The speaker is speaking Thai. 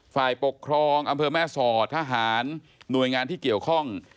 ฝ่ายปกครองอำเภอแม่สอดทหารหน่วยงานที่เกี่ยวข้อง